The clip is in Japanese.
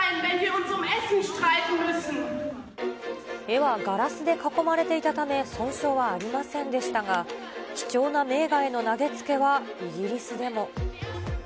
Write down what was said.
絵はガラスで囲まれていたため損傷はありませんでしたが、貴重な名画への投げつけはイギリスでも。